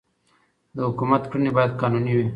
د حکومت کړنې باید قانوني وي